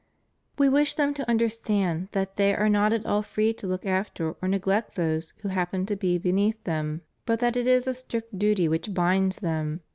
We wish them to understand that they are not at all free to look after or neglect those who happen to be be neath them, but that it is a strict duty which binds them.